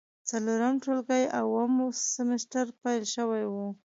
څلورم ټولګی او اووم سمستر پیل شوی و.